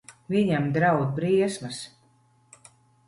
Viņam draud briesmas.